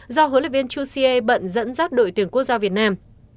do huấn luyện viên chu xie bận dẫn dắt đội tuyển quốc gia việt nam